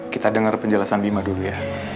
kita dengar penjelasan bima dulu ya